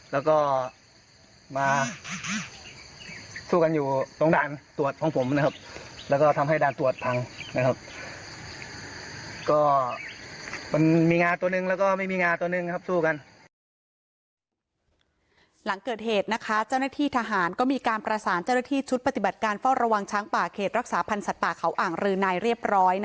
แล้วก็มาสู้กันอยู่ตรงด่านตรวจของผมนะครับแล้วก็ทำให้ด่านตรวจพังนะครับ